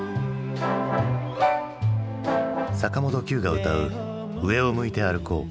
坂本九が歌う「上を向いて歩こう」。